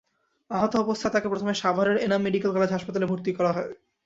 আহত অবস্থায় তাঁকে প্রথমে সাভারের এনাম মেডিকেল কলেজ হাসপাতালে ভর্তি করা হয়।